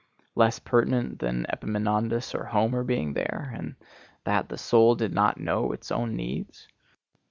less pertinent than Epaminondas or Homer being there? and that the soul did not know its own needs?